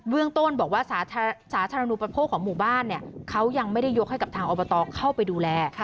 เรื่องต้นบอกว่าสาธารณูประโภคของหมู่บ้านเขายังไม่ได้ยกให้กับทางอบตเข้าไปดูแล